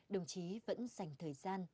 đồng chí vẫn dành thời gian